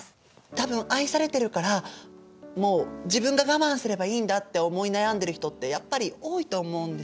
多分愛されてるからもう自分が我慢すればいいんだって思い悩んでる人ってやっぱり多いと思うんですよね。